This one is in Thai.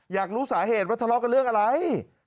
อยากรู้สาเหตุว่าทะเลาะกับเรื่องอะไร